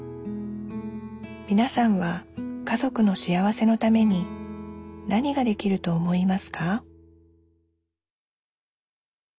みなさんは家族の幸せのために何ができると思いますか？